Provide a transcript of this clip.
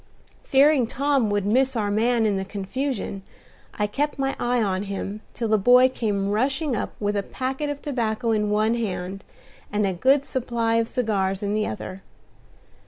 Fearing Tom would miss our man in the confusion, I kept my eye on him till the boy came rushing up with a packet of tobacco in one hand and a good supply of cigars in the other.